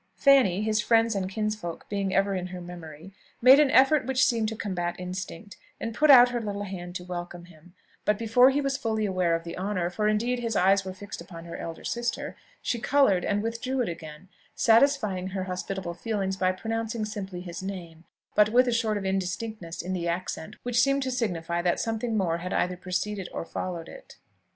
Fanny, his friends and kinsfolk being ever in her memory, made an effort which seemed to combat instinct, and put out her little hand to welcome him; but before he was fully aware of the honour, for indeed his eyes were fixed upon her elder sister, she coloured, and withdrew it again, satisfying her hospitable feelings by pronouncing simply his name, but with a sort of indistinctness in the accent which seemed to signify that something more had either preceded or followed it.